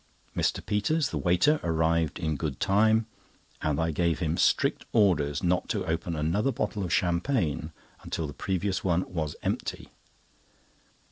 Mr. Peters, the waiter, arrived in good time, and I gave him strict orders not to open another bottle of champagne until the previous one was empty.